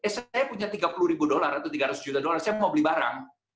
saya punya tiga puluh ribu dolar atau tiga ratus juta dolar saya mau beli barang